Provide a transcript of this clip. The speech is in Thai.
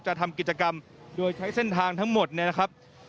ทำกิจกรรมโดยใช้เส้นทางทั้งหมดเนี่ยนะครับ